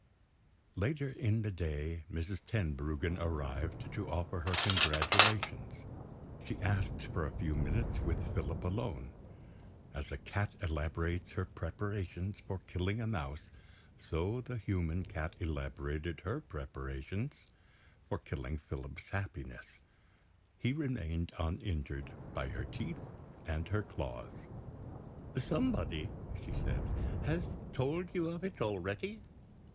Later in the day, Mrs. Tenbruggen arrived to offer her congratulations. She asked for a few minutes with Philip alone. As a cat elaborates her preparations for killing a mouse, so the human cat elaborated her preparations for killing Philip's happiness, he remained uninjured by her teeth and her claws. "Somebody," she said, "has told you of it already?"